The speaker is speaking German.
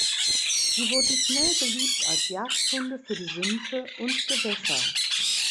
Sie wurden schnell beliebt als Jagdhunde für die Sümpfe und Gewässer.